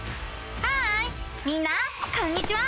ハーイみんなこんにちは！